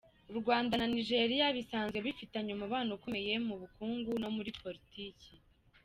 U Rwanda na Nigeria bisanzwe bifitanye umubano ukomeye mu bukungu no muri politiki.